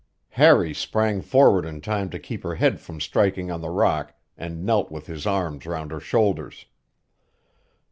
Harry sprang forward in time to keep her head from striking on the rock and knelt with his arms round her shoulders.